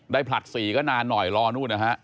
ผลัด๔ก็นานหน่อยรอนู่นนะฮะ